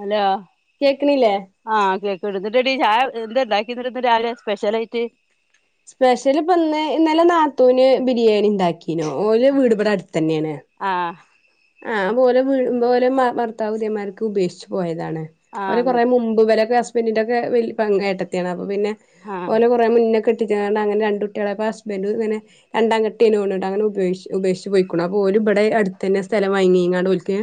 Hello കേക്കണില്ലേ ആഹ്കേൾക്കണ്ട് ന്നട്ട് ഇടി എന്തണ്ടാക്കിന്ന് രാവിലെ സ്പെഷ്യൽ ആയിട്ട് സ്പെഷ്യൽ ഇപ്പന്ന് ഇന്നലെ നാത്തൂന് ബിരിയാണി ഉണ്ടാക്കീനോ ഓ വീടുപട അടുത്ത് തന്നെയാണ് ആഹ്‌ ആഹ് അപ്പോ ഓലെ വീ ഓലെ ഭർത്താവ് ഇതേമാരിക്ക് ഉപേഷിച്ചു പോയതാണ് ഓരെ ആഹ് കൊറേ ന്നിട്ട് മുപ് ബലൊക്കെ ഹസ്ബന്റിന്റെ ഒക്കെ വല് പെങ്ങ ഏട്ടത്തിയാണ് അപ്പോ പിന്നെ ആഹ് ഓല കൊറേ മുന്നേ ക്കെട്ടിച്ച്ങ്ങാട് അങ്ങനെ രണ്ട് ഉട്ടാളായപ്പ ഹസ്ബന്റ് ഇങ്ങനെ രണ്ടാം കെട്ട്ഏനു തോണ്ണ്ട് അങ്ങനെ ഉപേ ഉപേഷ്ച്ച് പോയ്ക്ക്ണു അപ്പോ ഓല് ഇപടെ അട്ത്തതന്നെ സ്ഥലം വാങ്ങിങ്ങാണ്ട്‌ ഓൽക്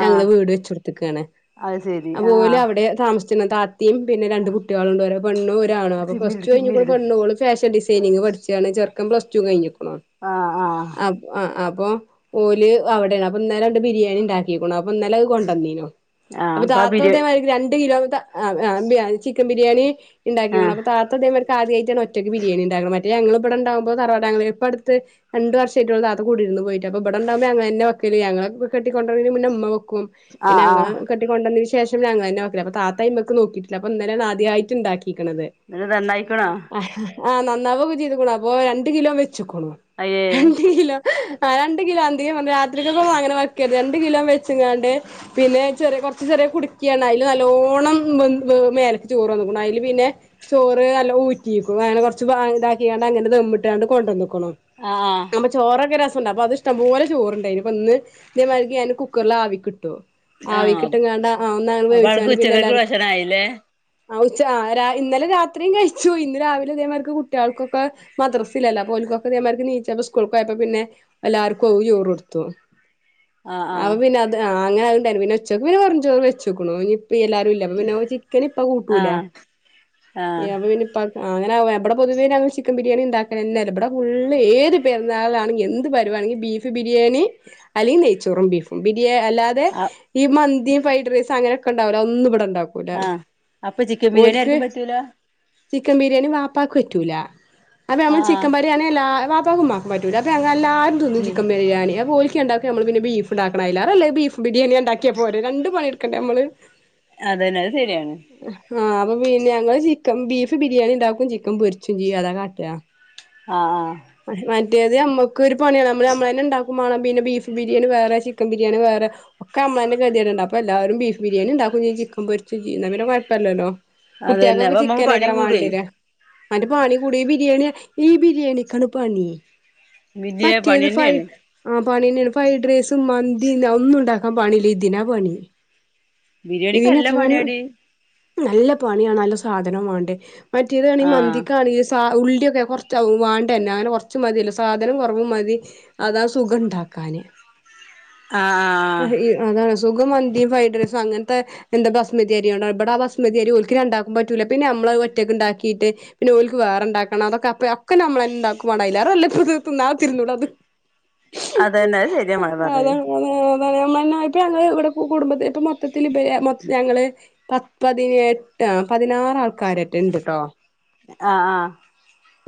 ഞങ്ങൾ ആഹ് വീട് വെച്ചൊട്ത്ത്ക്കാണ് അത് ശെരി അപ്പോ ഓൽ ആഹ് അവടെ താമസിച്ച്ണ് താ ത്തിയും പിന്നെ രണ്ട് കുട്ട്യേള്ണ്ട് ഒരു പെണ്ണും ഒരാണും അപ്പോ പ്ലസ്ടു സിമ്മിലിട് കഴിഞ്ഞിക്ക്ണ് സിമ്മിലിട് പെണ്ണോള് ഫാഷൻഡിസൈനിങ് പഠിച്ചാണ് ചെ ക്കം പ്ലസ്റ്റു കഴിഞ്ഞ്ക്ക്ണോ ആഹ് ആഹ് ആഹ്‌ ആഹ് അപ്പൊ ഓല് അവിടെയാണ് അപ്പൊ ഇന്നാലെ അവിടെ ബിരിയാണി ഉണ്ടാക്കിക്കണോ അപ്പൊ ഇന്നാലെ അത് കൊണ്ടന്നീനോ ആഹ് അപ്പൊ അപ്പാ ബിരിയാ താത്തതേമാരിക്ക് രണ്ട് കിലോ ചിക്കൻ ബിരിയാണി ഇണ്ടാക്കിക്കുണു ആഹ് അപ്പൊ താ ത്ത തേമാരിക്ക് ആദ്യയിട്ടാണ് ഒറ്റക്ക് ബരിയേണി ഇണ്ടാക്ക്ണ മ റ്റേ ഞങ്ങൾ ഇപട ഇണ്ടാവുമ്പോ തറവാട് ഞങ്ങൾ ഇപ്പ അടുത്ത് രണ്ട് വർഷായിട്ടൊള്ളു താത്ത കുടിര്ന്ന് പോയിട്ട് അപ്പ ഇപടെ ഇണ്ടവുമ്പോ ഞങ്ങളെന്നെ വെ ക്കൽ ഞങ്ങളൊക്കെ കെട്ടികൊണ്ടർനേറ്റേ മുന്നെ ഇമ്മ വെക്കും പിനെ ആഹ് ഞങ്ങൾ ആഹ് കെട്ടി കൊണ്ടന്ന് ശേഷം ഞങ്ങളെന്നെ വെക്കൽ അപ്പോ താത്ത അയ്മക് നോക്കിട്ടില്ല അപ്പന്നലെ ആദ്യയിട്ട്ണ്ടാക്കിക്ക്ണത് ന്ന്ട്ട് നന്നായ്ക്ണോ ആഹ് നന്നാവൊക്കെ ചെയ്തുക്കണു അപ്പൊ രണ്ട് കിലോ വെച്ചുക്കണു അയ്യേ രണ്ട് കിലോ ആഹ് രണ്ട് കിലോ [unintelligible] രാത്രികക്കും അങ്ങനെ വക്കര്ത് രണ്ട് കിലോ വെച്ചിങ്ങാണ്ട് പിന്നെ ചെറിയ കുറച്ച് ചെറിയ കുടിക്കിയാണ് അതില് നല്ലോണം മേലക്ക് ചോറ് വന്ന്ക്കണു അതില് പിന്നെ ചോറ് നല്ല ഊറ്റിക്കും. അങ്ങനെ കൊറച്ച് ഭാഗം ഇതാക്കിങ്ങാണ്ട് അങ്ങനെ ദധമ്മിട്ടാണ്ട് കൊണ്ട് വന്നേക്കണു ആഹ് പ്പ ചോറൊക്കെ രസണ്ട് അപ്പൊ അത് ഇഷ്ടം പോലെ ചോറ്ണ്ടായിഇനിപ്പൊ ഇന്ന് തേമാരിക്ക് ഞാൻ കുക്കറ്ല് ആവിക്ക് ഇട്ടു ആവി ആഹ് കിട്ട്ങ്ങാണ്ട് അ ആ ഒന്ന് അപ്പൊ അനക്ക് വേവിച്ച്ങ്ങാണ്ട് പിന്നെ ഉച്ചക്കക്ക് എല്ലാര് ഭക്ഷണായില്ലേ ആഹ് ഉച്ച ര ഇന്നലെ രാത്രിയും കഴിച്ചു ഇന്ന് രാവിലെ അതേ മാതിരിക്ക് കുട്ട്യൾക്കൊക്കെ മദ്രസ ഇല്ലല്ല അപ്പൊ ഒലിക്കൊക്കെ ഇതേ മാതിരിക്ക് എനീച്ചപ്പ സ്കൂൾക്ക് ആയപ്പോ പിന്നെ എല്ലാർക്കും ഒരു ചോറ് കൊടുത്തു ആഹ് ആഹ് അവൻ പിന്നെ അത് ആഹ് അങ്ങന ആയതു കൊണ്ടണ് പിന്നെ ഉച്ചക്ക് വെറും ചോറ് വെച്ചുക്കണ് ഇനി ഇപ്പ എല്ലാരും ഇ അപ്പ പിന്നെ ഓൻ ചിക്കന് ഇപ്പ കൂട്ടൂല ആഹ് ആഹ് ഏഹ് അപ്പൊ പിന്നെപ്പ ആഹ് അങ്ങനെ അവിടെ പൊതുവേ ഞങ്ങള് ചിക്കൻ ബിരിയാണി ഉണ്ടാക്കല് തന്നെ ഇല്ല ഇവിടെ ഫുള്ള് ഏത് പെരുന്നാളാണെങ്കി എന്തു പരുവാണെങ്കി ബീഫ് ഫ് ബിരിയാണി അല്ലെങ്കില് നെയ്ച്ചോറും ബീഫും ബിരിയാ അല്ലാതെ ആഹ് ഈ മന്തി ഫൈഡ്റൈസ് അങ്ങനൊക്കെ ഉണ്ടാവില്ലോ അതൊന്നും ഇവിടെണ്ടാക്കു ആഹ് അപ്പൊ ചിക്കൻ ബിരിയാണി ആർക്കും പറ്റൂല ചിക്കൻ ബിരിയാണി വാപ്പാക്ക് പറ്റൂല. അപ്പൊ നമ്മള് ആഹ് ആഹ് ചിക്കൻ പ ബിരിയാണി എല്ലാ വാപ്പാക്കും ഉമ്മാക്കും പറ്റൂല അപ്പോ ഞങ്ങള് എല്ലാരും തിന്നും ഉം ചിക്കൻ ബിരിയാണി അപ്പ ഓരി ഈ രണ്ടാക്ക് നമ്മള് പിന്നെ ബീഫ്ണ്ടാക്കണം അയ്ലേറെ നല്ലത് ബീഫ് ബിരിയാണി ആ ഇണ്ടാക്കാപ്പോരേ രണ്ട് പണി എടുക്കണ്ടേ നമ്മള് അതന്നെ അത് ശെരിയാണ് ആഹ് അപ്പൊ പിന്നെ ഞങ്ങള് ചിക്കൻ ബീഫ് ബിരിയാണി ഉണ്ടാക്കും ചിക്കൻ പൊരിച്ചും ചെയ്യും അതാ കാട്ടുക. ആഹ് ആഹ് മ മറ്റേതു നമ്മക്ക് ഒരു പണിയാണ് നമ്മള് നമ്മള തന്നെ ഇണ്ടാക്കും വേണം പിന്നെ ബീഫ് ബിരിയാണി വേറെ ചിക്കൻ ബിരിയാണി വേറെ ഒക്കെ അമ്മള് [unintelligible] അപ്പൊ എല്ലാരും ബീഫ് ബിരിയാണി ഉണ്ടാക്കും ചെയ്യും ചിക്കൻ പൊരിചെമ് ചെയ്യും എന്നാ പിന്നെ കുഴപ്പമല്ലല്ലോ അതന്നെ കുട്ട്യക്കൊക്കെ അപ്പൊ നമ്മുക്ക് ചിക്കൻ പണി കൂടേ ആർക്കുംവാണ്ടി വരിക മറ്റ പണി കൂടി ഈ ബിരിയാണി ഈ ബിരിയാണിക്കാണ് പണി വലിയ പണി മറ്റേത് ഫൈ തന്നെയാണ് ആഹ് പണി തന്നെയാണ് ഫ്രൈഡ് റൈസ് മന്തി അതൊന്നും ഉണ്ടാക്കാൻ പണില്ല ഇതിനാ പണി ബിരിയാണിക്ക് ഇതിന് നല്ല എത്രങ്ങാണ് പണിയാടി നല്ല പണിയാ നല്ല സാധനോം വേണ്ടേ മറ്റേത് ആണെങ്കി ഈ ആഹ് മന്തി ആണെങ്കി സ ഉള്ളിയൊക്കെ കൊറച്ച് വാണ്ടന്നേ അങ്ങനെ കൊറച്ചു മതിയല്ലൊ സാധനം കൊറവ് മതി അതാ സു സുഖം ഇണ്ടാക്കാന് ആഹ് അതാണ് സുഖം മന്തീം ഫ്രൈഡ്റൈസ് അങ്ങനത്തെ എന്താ ബസ്മതി അരിയാണോ ഇബട ബസ്മതി അരി ഓരിക്ക് രണ്ടാക്കും പറ്റൂല്ല പിന്നെ നമ്മള് അത് ഒറ്റക്ക് ഉണ്ടാക്കിയിട്ട് പിന്നെ ഓൽക്ക് വേറെ ഉണ്ടാക്കണം. അതൊക്കെ അപ്പോ ഒക്കെ നമ്മളെന്നേ ഉണ്ടാക്കും വേണം അതിലേറെ നല്ലത് അതന്നെ [unintelligible] അത് ശരിയാ മോളെ ആഹ് പറഞ്ഞത് അതാണ് [unintelligible] ഞങ്ങള് ഇവിടെ കു കുടുംബത്തില് ഇപ്പ മൊത്തത്തില് ഇബര്ഞങ്ങള് പ പതിനെട്ടാ പതിനാറ് ആൾക്കാര് ഉണ്ട്ട്ടോ ആഹ് ആഹ്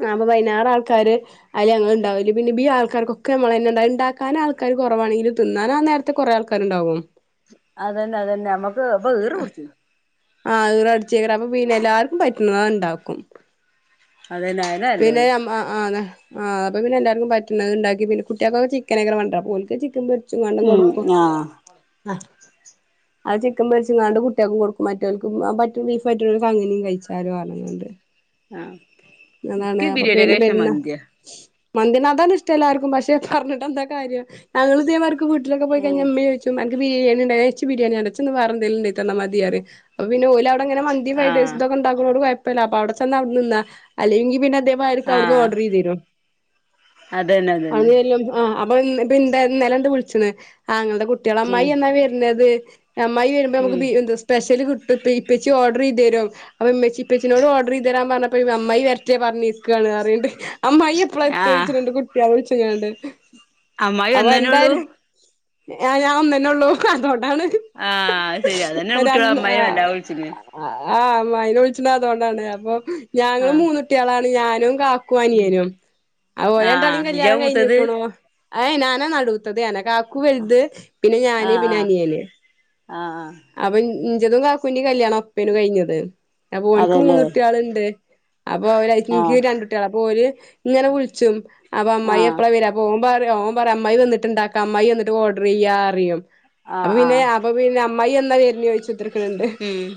ആഹ് അപ്പൊ പതിനാറ് ആൾക്കാര് അയില് ഞങ്ങള് ഇണ്ടാവല് പിന്നെ ബീ ആൾക്കാർക്കൊക്കെ നമ്മള് തന്നെ എന്താ ഇണ്ടാക്കാൻ ആൾക്കാര് കൊറവാണെങ്കില് തിന്നാനാ ആ നേര [unintelligible] കൊറെ ആൾക്കാരുണ്ടാവും അത് തന്നെ അത് തന്നെ നമ്മക്ക് അപ്പൊ [unintelligible] ആഹ് അത് [unintelligible] അപ്പൊ പിന്നെ എല്ലാർക്കും പറ്റുന്നത് ഇണ്ടാക്കും അതന്നെ അയന്നെ പിന്നെ നല്ലത് നം അഹ് ആന്നു ആഹ് അപ്പ പിന്നെല്ലാർക്കും പറ്റ്ന്നത്ണ്ടാക്കി പിന്നെ കുട്ട്യക്കൊക്കെ ചിക്കനെക്കെ വണ്ടത് അപ്പൊ ഓൽക്ക് ചിക്കൻ പൊരിച്ചത് ഉം [unintelligible] ആഹ് [unintelligible] ആഹ് [inaudible] അത് ചിക്കൻ പൊരിച്ചിങ്ങാണ്ട് കുട്ട്യൾക്കും കൊടുക്കും മറ്റവനിക്കും മറ്റെ ബീഫായിട്ടൊള്ളോർക്ക് അങ്ങനേം കഴിച്ചാനും ആളുകളുണ്ട് ആഹ് നിക്ക് ബിരിയാണിയെക്കാൾ ഇഷ്ടം മന്തിയാ മന്നന് അാണ് ഇഷ്ടം പക്ഷെ പറഞ്ഞിട്ട് എന്താ കാര്യ ഞൾ ചെയമാർക്ക് വീട്ടിലക്കെ ക ഉം അമ്മ ചോച്ചു എനി ബിരിയാണിണ്ടച്ച ബിയാണി അടച്ചന്ന് വറെ എന്തുണ്ട തന്നൽ മതിയറ് അപ്പ പിന്നെഓ അവിടെ അങ്ങനെന്തി ആഹ് വൈസൊക്കെ ഉണ്ടാക്കുന്നോട് കുഴപ്പമ അവിടെ ചെന്ന അവിടെ നിന്നാ അല്ലെങ്കിൽ പിന്നെ [unintelligible] ആഹ് ഓഡർ ചെയ്തു രും അതന്നെ അതന്നെ [unintelligible] ആഹ് അപ്പൊ ഇപ്പൊ എന്താ നില എന്താ വിളിച്ചന്ന് ആാങ്ങളുടെ കുട്ടികള അമ്മായി ഉം എന്നാ വരുന്നത് അമ്മായി വരുമ്പോ ഉം നമുക്ക് സ്പെഷ്യല് കിട്ടും ഇപ്പച്ചി ഓർഡർ ചെയ്തു തരും അപ്പംമ്മച്ചപ്പച്ചനോട് ഓർഡർ ചെയ്തരാ പറഞ്ഞപ്പ അമ്മമായി വരേ പറഞ്ഞിരിക്കുവയാണ് അറണ്ടേ അമ്മായ്യ എപ്പള എത്ത ആഹ് വഴിച്ചിട്ടുണ്ട് കുട്ടിയാ വിളിച്ചങ്ങാണ്ട് അമ്മായി ഒന്നേനേ ഉള്ളൂ ആഹ് ഞാൻ ഒന്ന എന്നെ ഉള്ളൂ കന്നുകൊണ്ടാണ് ആഹ് ശരി അതന്നെയ കുട്ടികളെ അമ്മാെ നല്ല വിളിച്ചിേ ആഹ് അമ്മായിനെ വിളിച്ചിട്ടണ്ട അതൊണ്ടാണ് അപ്പൊ ഞങ്ങള്ൾ ആഹ് മൂന്നുട്ടികളാണ് ഞാനും [unintelligible] ഉം അനിയനും അഹ് ഓരെ രണ്ടാളേം ആഹ് ഇജ്ജാ കല്യാണം കഴിഞ്ഞ മൂത്തത് ക്കണൂ ആഏ്ഞാനാ നടുൂത്തത് നാ കാക്കു വലുത് പിന്നെ ആഹ് ഞാന് പിന്നെ ആഹ് അനിയന് ആഹ് അഹ് അപ്പൊ ഇഞ്ചതും കാക്കുന് കല്യാണ അപ്പേനു കഴിഞ്ഞത് അപ്പൊ അവനിക്ക് മൂന്ന അതല്ലേ കുട്ട ആളുണ്ട് അപ്പൊ ഒരാഴ്ച എനിക്ക് ആഹ് രണ്ടുട്ടികള പോര് ഇങ്ങനെ വിളിച്ചും അപ്പൊ അമ്മായി ആഹ് എപ്പഴാ വരാ പോും ഓൻ പറ അമ്മായി വന്നിട്ട്ണ്ട അ്മായി വന്നിട്ട് ഓർഡർ ചെയ്യ അറിയും അപ്പ ആഹ് പിന്നെ ആഹ് അ അമ്മമായി എന്ന പേര്ന്ന് ചോദിച്ചുത്തിക്കണണ്ട് ഉം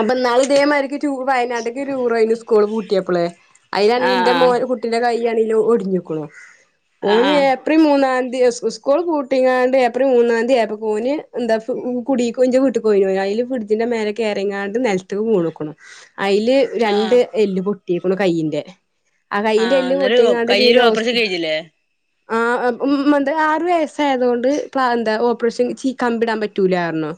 അപ്പൊ നാള ഇതേമാതിരിക്ക് ടൂര വയനാട്ടേക്ക് ടൂർ അന് സ്കൂള് പൂട്ടിയപ്പളെ ആഹ് അയിനാണെിൽന്റെ മോ ആഹ് കുട്ടി കൈ്യാണെൽ ഒടിഞ്ഞുക്കണോ ആഹ് ആഹ് ഓന് ആഹ് ഏപ്രി മൂന്നാതീ സ്കൂ സ്കൂള് പൂട്ടിങ്ങാണ്ട് ഏപ്രി മൂന്നാതീ ആയപ്പോക്കോന് ന്ത കുടീക്ക് ഇന്റെ വീട്ട്ക്കോയിനു അയില് ഫിഡ്ജിന്റെ മേലെ കേറിങ്ങാണ്ട് നെലത്ത്ക്ക് വീണ്ക്കുണു അയ്ല് രണ്ട് ആഹ് എല്ല് പൊട്ടീക്കുണു കയ്യിന്റെ ആ കയ്യിന്റെല്ല് അന്നേരു പൊട്ടിങ്ങാണ്ട് കയ്യില് പിന്നെ ഓപ്പറേഷൻ ഹോസ്പിറ്റ കഴിഞ്ഞില്ലേ ആ മ് എന്ത ആറ് വയസ്സായതോണ്ട് എന്താ ഓപ്പറേഷൻ ചെയ്യാ കമ്പിടാൻ പറ്റൂലായിാരണോ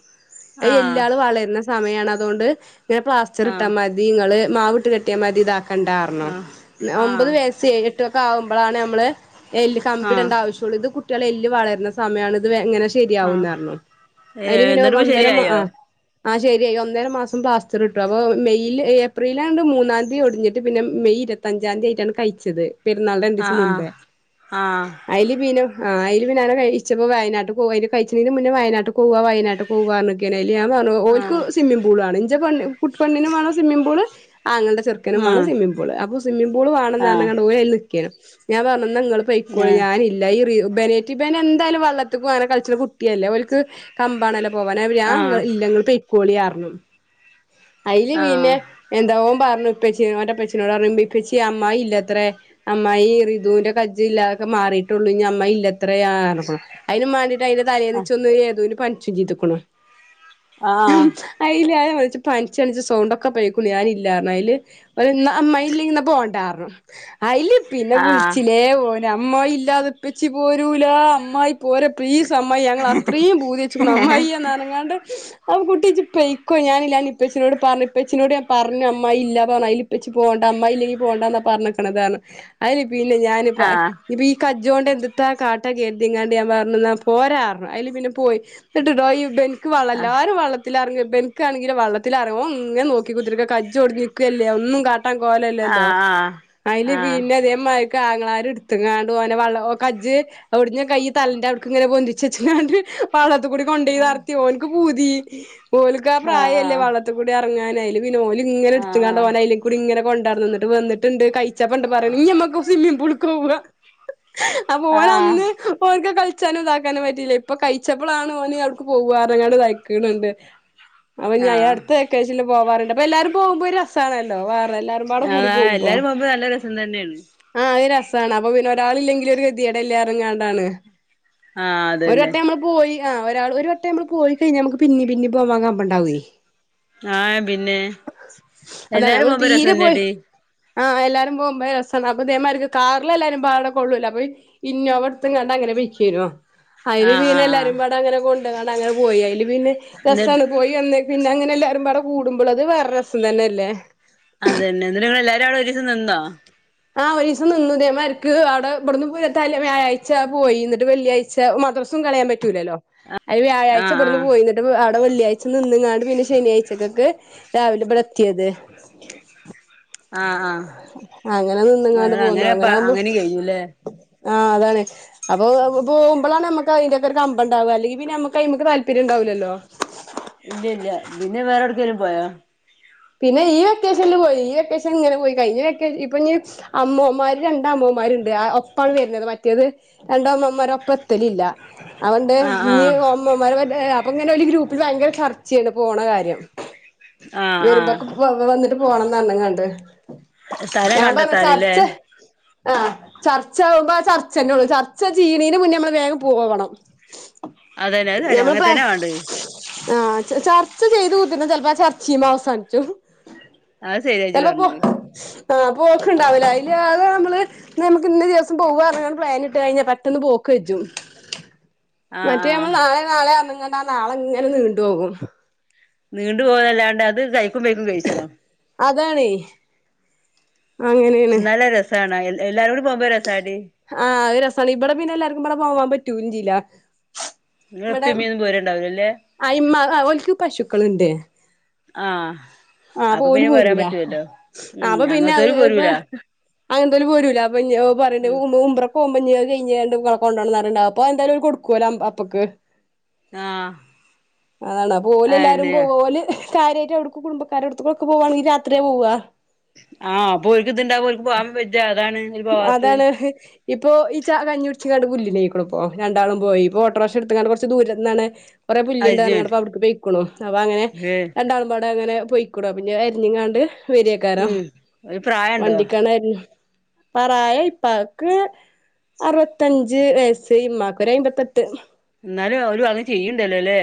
അഹ് ആഹ് എല്ലാളു വളരുന്ന സമയമാണ് അതുകൊണ്ട് ഇങ്ങനെ പ്ലാസ് ച്ചെറ്ട്ടാ ആഹ് മതി ഇങ്ങള് മാവ്ട്ട് കെട്ടിയാ മതി ഇതാക്കണ്ടാർഞ്ഞു ആഹ് ഒമ്പത് ആഹ് വയസ്സ് എ കു ഒക്കെ ആകുമ്പോാണ് നമ്മള് എല്ല് ട്ടൊക്കാവുമ്പളാണ് ഞമ്മള് എല്ല് ആഹ് കമ്പിടെണ്ടാവിശ്യയൊള്ളൂ ഇത് കുട്ടിയളെ എല്ല് വളര്നെ സമയാണ് ഇത്ങ്ങെ നെന്നെ ആഹ് ശെരിയാവുന്നർഞ്ഞു അയില് ഏഹ് പിന്നെ എന്നിട്ടിപ്പ ഒന്നര മാ ശരിയായോ ആഹ് ആഹ ശെരിയായി ഒന്നര മാസം പ്ലാസ്റ്ററ്ട്ടു അപ്പൊ മെയ്യില് ഏപ്രിലാണ്ട് മൂന്നാതീ ഒട്ഞ്ഞിട്ട് ന്ന്ട്ട് പിന്നെ മെയ് ഇരത്തെഞ്ചാദ്ധിയായിട്ടാണ് കഴിച്ചെത് പെര്ന്നാള്ന്റെ രണ്ടീസം ആഹ് മുമ്പെ ആഹ് അയ്ല് പിന്നെ ആ അയില് പിന്നെ അങ്ങന കഴച്ചപ്പൊ വയനാട്ട് പോവാ അയിന് കഴിച്ച്ണെന്റെ മുന്നെ പിന്നെ വയനാട്ട്കൊവാ വയനാട്ട്ക്കൊവാ അയില് ഞാ പറഞ് ഓൽക്ക് ആഹ് സിമ്മിം പൂ ളാണ് ഇന്റെ പെ പെണ്ണിനും വാണം സ്വിമ്മിപൂൾ ആങ്ങൾടെ ചെറ് ക്കനും മാണം ആഹ് സ്വിമ്മിപൂള് അപ്പൊ സ്വിമ്മിപൂള് ആഹ് ആഹ് വാണന്നർഞ്ഞ്ക്കാണ്ട് ഇവലയ്ല് നിക്കേനു ഞാ പർഞ്ഞു ഇന്നെങ്ങൾ പെയ്ക്കോളി ഞാൻ ഞാനില്ല ഈ റി ബേരെറ്റി ഇബെനെന്തായാലും വള്ളത്തുക്കൊക്കെ അങ്ങനെ കളിക്ണെകുട്ടിയല്ലേ ഓൽക്ക് കമ്പാണല്ലോ പോവാന് ആഹ് അപ്പഞാല്ല ഇങ്ങള് പൊയ്ക്കോളിയാർഞ്ഞു അയില് ആഹ് പിന്നെ എന്താ ഓം പർഞ്ഞു ഇപ്പച്ചി ഓന്റെ ഇപ്പെച്ചിനോടർഞ്ഞു ഇപ്പച്ചിയെ അമ്മായില്ലത്രെ? അമ്മായി റിതൂന്റെ കജ്ജ്ല്ലെ അഹൊക്കെ മാറിട്ടൊള്ളു ഇഞ് അമ്മായില്ലെ ത്രെ ർഞ്ക്കുണു അയിനും മാണ്ടിട്ട് അയിന്റെ തലേന്ന് ആഹ് ഇച്ചൊന്ന് ഏതോന് പൻച്ചും ചെയ്തുക്കുണു. ആഹാ അയിലാ [unintelligible] ഇച്ച് പൻച്ചാണിച്ച് സൗണ്ടൊക്കെ പൊയ്ക്കുണു ഞാനില്ലാർഞ്ഞു അയില് ഓന് ഇന്നാ അമ്മായില്ലെങ്കിന്നാ പോണ്ടാർഞ്ഞു അയില് പിന്നെ ആഹ് വിളിച്ചിലേ ഓന് അമ്മായി ഇല്ലാതെ ഇപ്പെച്ചി പോരൂലാ അമ്മായി പോരെ പ്ലീ സമ്മായെ ഞങ്ങളത്രീം പൂതിച്ച്ക്ക്ണ് അമ്മായിയെ എന്നർഞ്ങ്ങാണ്ട് സ അപ്പൊ കുട്ടിയെ ഇജ്ജ് പൊയ്ക്കൊ ഞാനില്ലാ ഞാഇപ്പച്ചിനോട് പർഞ്ഞു ഇപ്പച്ചിനോട് ഞാൻ പർഞ്ഞു അമ്മായില്ലാ പർഞ്ഞു അയില് ഇപ്പെച്ചി പോണ്ട അമ്മായില്ലെങ്കി പോണ്ടന്നാ പർഞ്ഞ്ക്ണതർഞ്ഞു അയില് പിന്നെ ഞാനിപ്പ ആഹ് ഇപ്പയീ കജ്ജോണ്ട് എന്ത്ത്താ കാട്ട കെര്തിങ്ങാണ്ട് ഞാൻ പറഞ് ഇന്നാ പോരാർഞ്ഞു അയില് പിന്നെ പോയി ഇന്ന്ട്ട്ട്ടോ ഈ ഇബൻക്ക് വള്ളം ആഹ് എല്ലാരും വള്ളത്തി ലെർങ്ങൊ ഇബൻക്കാണെങ്കിലോ വള്ളത്തിലെറങ്ങ ഓ ഇങ്ങനെ നോക്കിക്കുത്തർക്കാ കജെജാടിഞ്ക്കല്ലേ ഒന്നും കാട്ടാ ട്ട കോലല്ലല്ലോ ആഹ് അയില് ആഹ് പിന്നെതെ പോ മായിര്ക്ക് ആങ്ങളാര്ട്ത്ത്ങ്ങാണ്ട് ഓനെ വള്ള കജ്ജ് ഒട്ഞ്ഞ കൈ തലന്റവ്ട്ക്കും ങ്ങനെ പൊന്തിച്ചെച്ച്ങ്ങാണ്ട് വള്ളത്തുകൂടി കൊണ്ടോയി ആഹ് നർത്തി ഓൻക്ക് പൂതി ഓൽക്കാ പ്രായല്ലേ ആഹ് വള്ളത്ത് കൂടിയെറങ്ങാന് അയില് പിന്നെ ഓല്ങ്ങെനെ ഇട്ത്ത്ക്കാണ്ട് ഓനയ്ലെകൂടിങ്ങെനെ കൊണ്ടർന്ന് ഇന്നെട്ട് വന്ന്ട്ട്ണ്ട് കഴിച്ചപ്പെണ്ട് പറിണെ ഇഞമ്മക്ക് സ്വിമ്മിംഗ് പൂള്ക്കൊവാ? ആഹ് ആഹ് അപ്പൊനന്ന് ഓൻക്ക് കള് ച്ചാനും ഇതാക്കാനും പറ്റില്ല ഇപ്പൊ കഴിച്ചപ്പെളാണ് ഓന് ഔട്ക്ക് പോവാറഞ്ങ്ങാണ്ട് ഇതായ്ക്ണ് ണ്ട് അപ്പഞാ ആഹ് അട്ത്ത വെക്കേഷൽല് പോവാറിണ്ട് അപ്പൊ എല്ലാരും പോവുമ്പോ ഒരു രസാണല്ലോ? വേ അതെ എല്ലാരും പോകുമ്പോ നല്ല രസം തന്നേണ് ആഹ് അഹ് രെസാണ് അപ്പൊ പിന്നെ ഒരാളില്ലെങ്കിലൊരു ഗെതിയെടെല്ലെ അർഞ്ഞ്ങ്ങാണ്ടാണ് ആഹ് ഒരു അതന്നെ വട്ടം ഞമ്മള് പോയി ആ ഒരാള് ഒരു വട്ടം നമ്മള് പോയികഴിഞ്ഞാ നമ്മക്ക് പിന്നിം പിന്നിം പോവാ കമ്പെണ്ടാവെ ആഹ് പിന്നെ അതാണ് എല്ലാരും നമ്മള് പോകുമ്പോ തീരെ പോയി രസന്നെടി ആഹ് എല്ലാരും പോകുമ്പോ രസാണ് അപ്പെതെ മാരിക്ക് കാറിലെല്ലാരും പാടെ കൊള്ളൂല അപ്പ പിന്നെ ഇന്നോവട്ത്ത്ങ്ങാണ്ടങ്ങനെ പോയിക്കേനു അയില് ആഹ് പിന്നെ ആഹ് ആഹ് എല്ലാരുംപാടെ അങ്ങനെ കൊണ്ട്ങ്ങാണ്ട് അങ്ങനെ പോയി അയില് പിന്നെ എന്നിട്ട് രെസാണ് പോയി വന്ന് പിന്നങ്ങനെ എല്ലാരുംപാടെ കൂടുമ്പോളത് വേറെ രസം തന്നെല്ലേ? അതന്നെ എന്നെട്ടെ ഇങ്ങളെല്ലാരും അവ്ടെ ഒരൂസം നിന്നോ? ആ ഒരീസം നിന്നു ഇതേമാരിക്ക് അവ്ടെ ഇബട്ന്ന് പോ തലേ വ്യാഴാഴ്ച പോയി ഇന്നെട്ട് വെള്ളിയാഴ്ച മദ്രസും കളയാം പറ്റൂലല്ലോ? അയില് വ്യാഴ്ച ആഹ് ഇബട്ന്ന് ആഹ് പോയി ഇന്നെ അവിടെ വെള്ളിയാഴ്ച നിന്ന്ങ്ങാണ്ട് പിന്നെ ശനിയാഴ്ക്കക്ക്‌ രാവിലെ ഇബടെ എത്തിയത് ആഹ് ആഹ് അങ്ങനെ നിന്ന്ങ്ങാണ്ട് ഞങ്ങള് പോന്നു അങ്ങനെപ്പ അങ്ങനെ ആകുമ്പോ കഴിഞ്ഞുല്ലേ ആഹ അതാണ് അപ്പൊ പോകുമ്പഴാണ് നമ്മുക്ക് അതിന്റെയൊക്കെ ഒരു കമ്പംണ്ടാവ അല്ലെങ്കി പിന്നെ നമക്ക് അയിമ്മക്ക്‌ താല്പര്യം ഉണ്ടാവില്ലല്ലോ ഇല്ല ഇല്ല പിന്നെ വേറെ എട്ക്കെലും പോയാ പിന്നെ ഈ വെക്കേഷനില് പോയി ഈ വെക്കേഷൻ ഇങ്ങനെ പോയി കഴിഞ്ഞ വെക്ക ഇപ്പൊ ഇനി അമ്മോന്മാര് രണ്ട് അമ്മോമ്മാര്ണ്ട് ഒപ്പാണ് വര്ണത് മറ്റേത് രണ്ട് അമ്മോന്മാരും ഒപ്പം എത്തലില്ല അതൊണ്ട് ആഹ് ഇനി ആഹ് ഒമ്മമാർ അപ്പൊ ഇങ്ങനെ ഓല് ഗ്രൂപ്പിൽ ഭയങ്കര ചർച്ചയാണ് പോണ കാര്യം ആഹ് ആഹ് വരുമ്പോക്കെ വന്നിട്ട് പോണംന്ന് പറഞ്ഞ്കങ്ങാണ്ട് സ്ഥലം ഞാൻ പറഞ്ഞ് കണ്ടെത്താന്ല്ലേ ചർച്ച ആഹ് ചർച്ച ആകുമ്പോ ആ ചർച്ചന്നെ ഉള്ളു ചർച്ച ചീയിണീന് മുന്നേ നമ്മള് വേഗം പോവണം അതന്നെ അത് ഞമ്മളെ അങ്ങനെ പ്ലാൻ തന്നെ വേണ്ടത് ആഹ് ചർച്ച ചെയ്ത് കുത്തിര്ന്നാ ചെലപ്പോ ആ ചർച്ചിമ്മെ അവസാനിച്ചു അത് ശരിയാ ഇജ്ജ് ചിലപ്പോ പറഞ്ഞത് പോ ആഹ് പോക്ക്‌ഇണ്ടാവില അയില് അത്‌ നമ്മള് ഇന്നാ നമ്മക്ക്‌ ഇന്ന ദിവസം പോവാന്ന് പറഞ്ഞ് പ്ലാനിട്ട് കഴിഞ്ഞാ പെട്ടന്ന് പോക്ക് കജ്ജും [unintelligible] മറ്റേ ആഹ് നമ്മൾ നാളെ നാളെന്ന് പറഞ്ഞ്ങ്ങാണ്ട് ആ നാളെ ഇങ്ങനെ നീണ്ടുപോകും നീണ്ടു പോവല്ലാണ്ട് അത് കയിക്കും മെയ്ക്കും കയിച്ചണോ അതാണ് ഇന്നാൽ അത്‌ രസാണ് എല്ലാരും കൂടി പോവ്മ്പൊ രസാടി ആഹ് ഒരു രസമാണ് ഇവിടെ പിന്നെ എല്ലാർക്കുംപാടെ പോവാൻ പറ്റും ചെയൂല്ല ഇങ്ങളെ ഇവിടെ ഇപ്പിം ഇമ്മിയൊന്നും പോരുണ്ടാവൂലല്ലേ ആഹ് ഇമ്മ ഓല്ക്ക് പശുക്കളുണ്ട് ആഹ് ആഹ് അപ്പൊ ഓല് പിന്നെ പോരാൻ പോരൂല പറ്റുവല്ലോ ആഹ് ഉം അപ്പൊ പിന്നെ അത് അങ്ങനത്തോര് ഇപ്പ പോരൂല അങ്ങനെത്തോല് പോരൂല [unintelligible] പറയിണ്ട് ഉം ഉംറക്ക്‌ പോമ്പനി അത്‌ കഴിഞ്ഞാണ്ട് കൊണ്ടോണംന്ന്റിയ്ണ്ട് അപ്പൊ എന്തായാലും ഓര് കൊടുക്കുവോലൊ അപ്പക്ക് ആഹ് അതാണ് അപ്പൊ ഓല് എല്ലാരും അയെന്നെ പോല് ഓല് കാര്യായിട്ട് എവുട്ക്ക്‌ കുടുംബക്കാരൊട്ത്ത്ക്ക്‌ ഒക്കെ പോവാണെങ്കിൽ രാത്രിയാ പോവ ആഹ് അപ്പോ ഓല്ക്ക് ഇതുണ്ടാമ്പോ ഓല്ക് പോവാനും വജ്ജ അതാണ് ഓല് പോവാത്തത് [unintelligible] ഇപ്പൊ ഈ ച കഞ്ഞി കൂട്ച്ചു കാണ്ട് പുല്ലി ന്റെ അയിക്കൂടെ ഇപ്പോ രണ്ടാളും പോയി ഇപ്പൊ ഓട്ടോറ്ക്ഷ ഇടുത്ത്ക്കാണ്ട് കുറച്ച് ദൂരന്നാണ് കുറെേ പുല്ല് ണ്ട് പറഞ്ഞ് കാണ്ട് അയ്ജോൻ ഇപ്പൊ അവിട്ക്ക് പോയിക്ക്‌ണു അപ്പൊ അങ്ങനെ ഏഹ് രണ്ടാളും പാടെ അങ്ങനെ പോയി അപ്പൊ ഇനി അത്‌ അരിഞ്ഞ്ങ്ങാണ്ട് വരേക്കാരം ഉം ഒരു പ്രായണ്ടോ വണ്ടിക്കാണ് വര്ണെ പറായ ഇപ്പാക്ക് അറുപത്തഞ്ച് വയസ്സ് ഇമ്മാക് ഒരു അയ്മ്പത്തെട്ട് ഇന്നാലും ഓലു അങ്ങ് ചെയ്യ്ണ്ടല്ലോലേ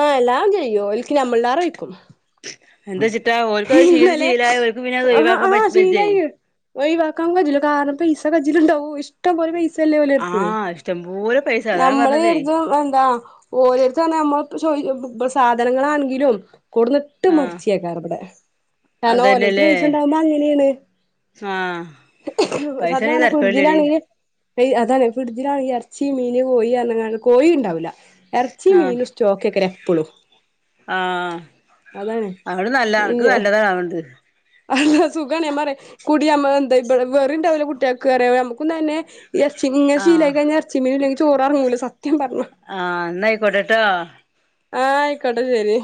ആഹ എല്ലാം ചെയ്യും ഓല്ക്ക് ഞമ്മളിലേറേ വെയ്ക്കും എന്തീച്ചിട്ടാ ഇന്നലെ ആഹ് ആഹ് പറ്റ് വെജ്ജേ ശീലായി ഒയിവാക്കാൻ കജ്ജുല കാരണം പൈസ കജിലുണ്ടാവും ഇഷ്ടം പോലെ പൈസല്ലേ ഓലെട്ത് ആഹ് ഇഷ്ടംപോലെ പൈസ അതാണ് ഞമ്മൾ പറഞ്ഞതേ കര്തും എന്താ ഓലട്ത് പറഞ്ഞ ഞമ്മള് ഇപ്പ ചോ സാധനങ്ങളാണെങ്കിലും കൊടന്ന് ഇട്ട് ആഹ് മറിച്ചി ഏക്കാരം ഇബടെ കാരണം ഓലെട്ത് അതന്നെല്ലേ പൈസ ഇണ്ടാവുമ്പോ അങ്ങനേണ് ആഹ് സത്യം പൈസണ്ടെങ്കി പറഞ്ഞ തരക്കേടില്ലടി ഫിഡ്ജിലാണെങ്കിൽ അതാണ് ഫിഡ്ജിലാണെങ്കിൽ ഇറച്ചി മീന് കോയി പറഞ്ക്കാണ്ട് കോയിം ഇണ്ടാവൂല ഇറച്ചി ആഹ് മീൻ സ്റ്റോക്കേക്കാരം എപ്പളും ആഹ് അതോണ്ട് നല്ല അനക്ക് നല്ലതാ അതോണ്ട് സുഖാണേ ഇമ്മ പറിം കുടിആമ്പോ എന്താ ഇബടെ വെറിണ്ടാവൂല കുട്ട്യാക്ക്‌റയും ഞമ്മക്കും തന്നെ എറച്ചിക്ക്‌ ഇങ്ങന ആഹ് ശീലായി കയിഞ്ഞാ എറച്ചിം മീനും ഇല്ലെങ്കെ ചോറ് എറങ്ങൂല സത്യം പറഞ്ഞാ ആഹ് ഇന്നാ അയിക്കോട്ടെട്ടോ ആഹ് അയിക്കോട്ടെ ശെരി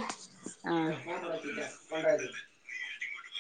ആ